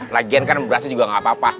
lagian kan berasnya juga gak apa apa